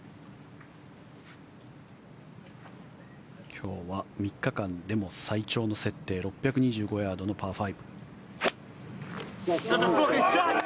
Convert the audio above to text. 今日は３日間でも最長の設定６２５ヤードのパー５。